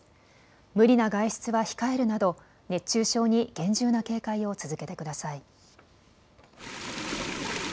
無理な外出は控えるなど熱中症に厳重な警戒を続けてください。